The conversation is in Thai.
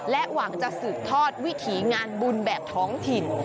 หวังจะสืบทอดวิถีงานบุญแบบท้องถิ่น